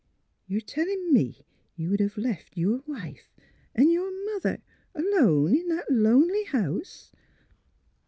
'' You are telling me you would have left your wife — and your mother, alone in that lonely house?